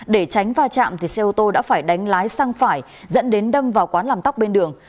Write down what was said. để tránh va chạm xe ô tô đã phải đánh lái sang phải dẫn đến đâm vào quán làm tóc bên đường